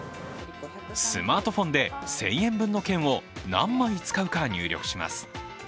スマートフォンで１０００円の券を何枚使うか入力します。